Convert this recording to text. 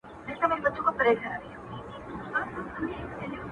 د چڼچڼيو او د زرکو پرځای-